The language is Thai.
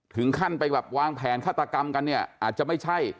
ถึงขั้นไปแบบวางแผนฆาตกรรมกันเนี่ยอาจจะไม่ใช่